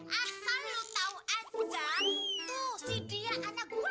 asal lu tau enak tuh si dia anak gua